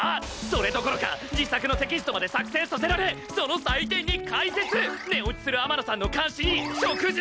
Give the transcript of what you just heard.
それどころか自作のテキストまで作成させられその採点に解説寝落ちする天野さんの監視に食事の提供！